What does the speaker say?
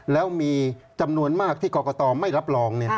แล้วมีจำนวนมากที่กรกตไม่รับรอง